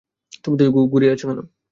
তুমি ঘাড় ঝুঁকিয়ে আছ কেন?